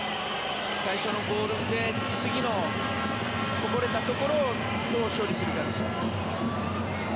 最初のボールで次のこぼれたところをどう処理するかです。